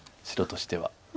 白としては。